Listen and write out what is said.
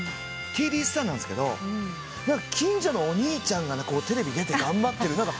ＴＶスターなんですけど近所のお兄ちゃんがテレビ出て頑張ってる。